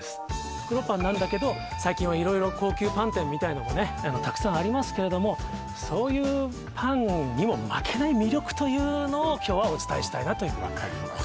袋パンなんだけど最近は色々高級パン店みたいのもたくさんありますけれどもそういうパンにも負けない魅力というのを今日はお伝えしたいなというふうに分かりますよ